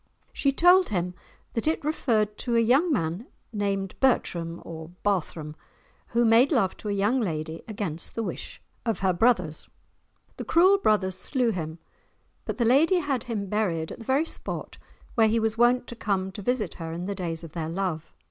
She told him that it referred to a young man named Bertram or Barthrum, who made love to a young lady against the wish of her brothers. The cruel brothers slew him, but the lady had him buried at the very spot where he was wont to come to visit her in the days of their love.